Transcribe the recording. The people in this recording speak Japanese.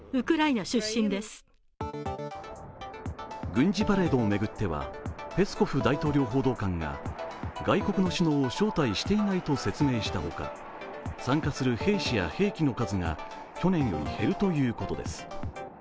軍事パレードを巡ってはペスコフ大統領報道官が外国の首脳を招待していないと説明したほか参加する兵士や兵器の数が去年より減るということです。